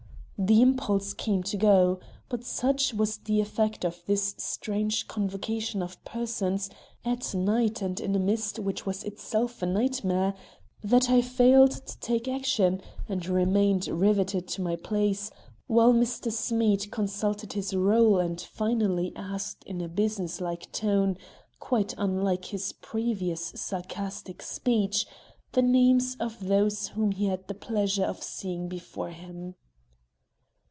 The impulse came to go. But such was the effect of this strange convocation of persons, at night and in a mist which was itself a nightmare, that I failed to take action and remained riveted to my place, while Mr. Smead consulted his roll and finally asked in a business like tone, quite unlike his previous sarcastic speech, the names of those whom he had the pleasure of seeing before him.